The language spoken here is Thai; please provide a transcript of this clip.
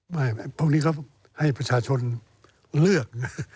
ไม่พวกนี้ก็ให้ประชาชนเลือก